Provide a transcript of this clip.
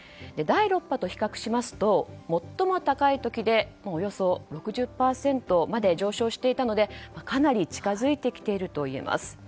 第６波と比較しますと最も高い時でおよそ６０％まで上昇していたのでかなり近づいてきているといえます。